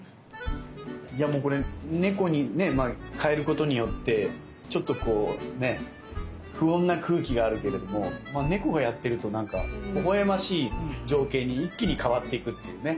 いやもうこれ猫にねかえることによってちょっとこう不穏な空気があるけれども猫がやってるとほほ笑ましい情景に一気に変わっていくっていうね。